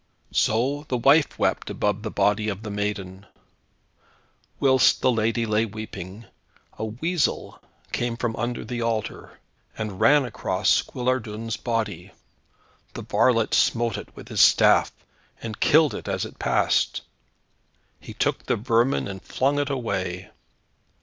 So the wife wept above the body of the maiden. Whilst the lady sat weeping, a weasel came from under the altar, and ran across Guillardun's body. The varlet smote it with his staff, and killed it as it passed. He took the vermin and flung it away.